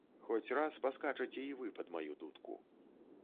Хоць раз паскачаце і вы пад маю дудку.